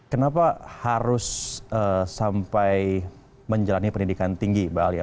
kenapa harus sampai menjalani pendidikan tinggi mbak alia